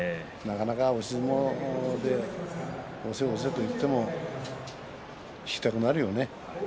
相撲で押せ押せといっても引きたくなるよね。